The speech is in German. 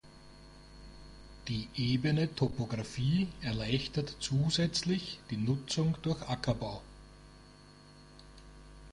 Die ebene Topografie erleichtert zusätzlich die Nutzung durch Ackerbau.